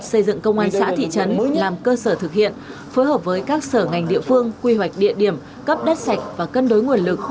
xây dựng công an xã thị trấn làm cơ sở thực hiện phối hợp với các sở ngành địa phương quy hoạch địa điểm cấp đất sạch và cân đối nguồn lực